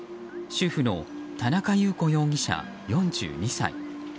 主婦の田中裕子容疑者、４２歳。